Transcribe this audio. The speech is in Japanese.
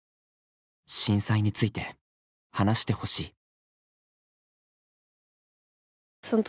「震災について話してほしい」。